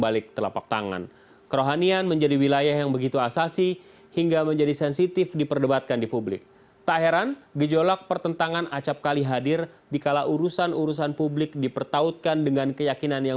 baik baginya terima kasih atas waktunya